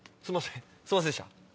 すいませんでした。